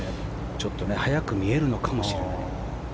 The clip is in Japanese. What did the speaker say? ちょっと速く見えるのかもしれない。